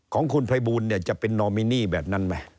ของคุณไพบูลจะเป็นนอมินี่แบบนั้นไหม